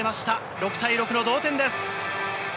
６対６の同点です。